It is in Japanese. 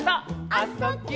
「あ・そ・ぎゅ」